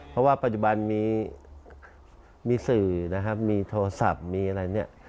เพราะว่าปัจจุบันมีสื่อนะครับมีโทรศัพท์มีอะไรเนี่ย